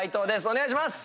お願いします。